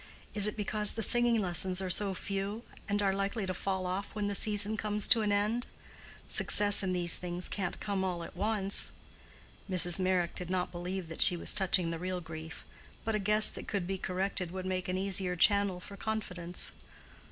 Is it because the singing lessons are so few, and are likely to fall off when the season comes to an end? Success in these things can't come all at once." Mrs. Meyrick did not believe that she was touching the real grief; but a guess that could be corrected would make an easier channel for confidence.